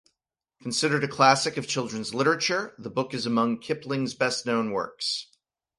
Considered a classic of children's literature, the book is among Kipling's best known works.